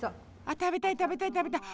あ食べたい食べたい食べたい！